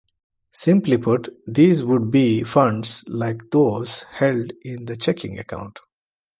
Simply put, these would be funds like those held in a checking account.